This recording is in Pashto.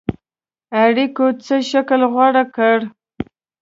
اړېکو څه شکل غوره کړ.